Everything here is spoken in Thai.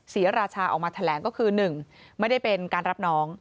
ศรีราชาออกมาแถลงก็คือ๑ไม่ได้เป็นการรับน้อง